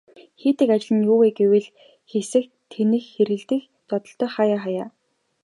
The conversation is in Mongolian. Хийдэг ажил нь юу вэ гэвэл хэсэх, тэнэх хэрэлдэх, зодолдох хааяа хааяа.